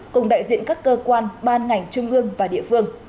cùng đại diện các cơ quan ban ngành trung ương và địa phương